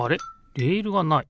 レールがない。